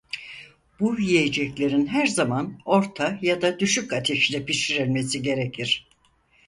Bu yiyeceklerin her zaman orta ya da düşük ateşte pişirilmesi gerekir.